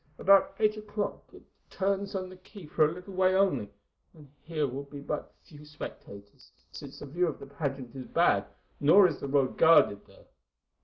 About eight o'clock it turns on to the quay for a little way only, and here will be but few spectators, since the view of the pageant is bad, nor is the road guarded there.